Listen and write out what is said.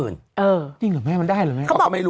จริงหรือไม่มันได้หรือไม่